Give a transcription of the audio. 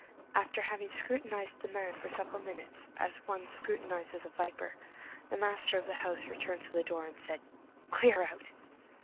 After having scrutinized the man for several moments, as one scrutinizes a viper, the master of the house returned to the door and said:— "Clear out!"